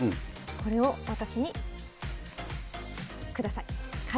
これを私にください。